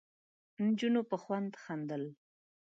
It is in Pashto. نجونو په خوند خندل.